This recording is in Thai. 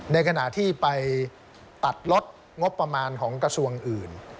ในขณะที่ไปตัดลดงบประมาณของกระทรวงอื่น